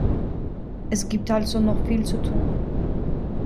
Es gibt also noch viel zu tun.